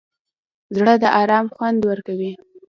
زړه د ارام خوند ورکوي.